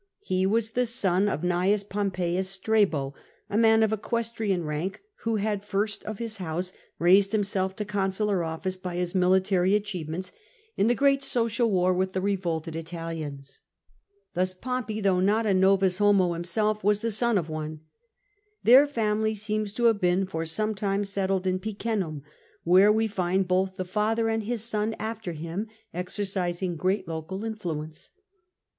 He was the son of Gn. Pompeius Strabo, a man of equestrian rank, who had (first of his house) raised himself to consular office by his military achievements in the great Social war with the revolted Italians. Thus Pompey, though not a noms homo himself, was the son of one. Their family seems to have been for some time settled in Picenum, where we find both the father and his son after him exercising great local influence.